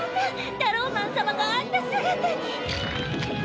タローマン様があんな姿に！